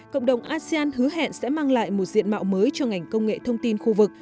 cộng đồng asean hứa hẹn sẽ mang lại một diện mạo mới cho ngành công nghệ thông tin khu vực